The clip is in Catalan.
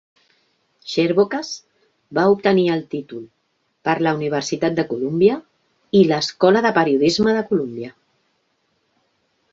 Chervokas va obtenir el títol per la Universitat de Columbia i l'Escola de periodisme de Columbia.